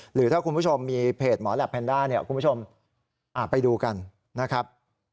หรือถ้าคุณผู้ชมมีเพจหมอแหลปแพนด้าเนี่ยคุณผู้ชมไปดูกันนะครับ